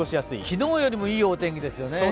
昨日よりもいいお天気ですよね。